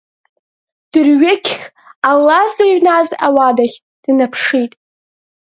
Дырҩегьых Алла дзыҩназ ауадахь днаԥшит.